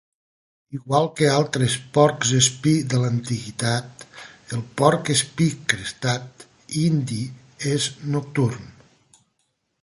Igual que altres porcs espí de l'antiguitat, el porc espí crestat indi és nocturn.